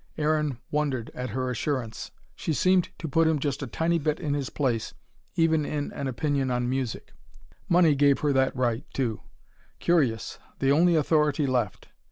Aaron wondered at her assurance. She seemed to put him just a tiny bit in his place, even in an opinion on music. Money gave her that right, too. Curious the only authority left.